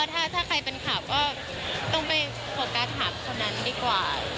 แล้วถ้าใครเป็นขาบว่าต้องไปกอดกาดถาดคนนั้นดีกว่า